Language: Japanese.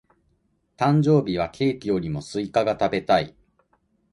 誕生日はケーキよりもスイカが食べたい。